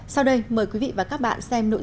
sau đây mời quý vị và các bạn xem nội dung hình ảnh